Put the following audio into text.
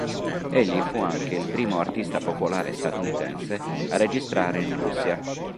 Egli fu anche il primo artista popolare statunitense a registrare in Russia.